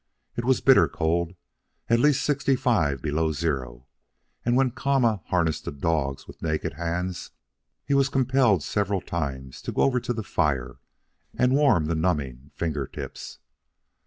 It was bitter cold, at least sixty five below zero, and when Kama harnessed the dogs with naked hands he was compelled several times to go over to the fire and warm the numbing finger tips.